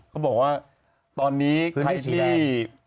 เขาบอกว่าตอนนี้ใครที่